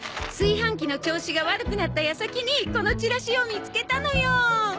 炊飯器の調子が悪くなった矢先にこのチラシを見つけたのよ。